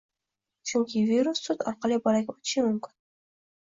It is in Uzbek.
Chunki virus sut orqali bolaga o`tishi mumkin